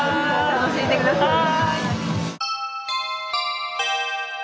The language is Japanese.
楽しんで下さい。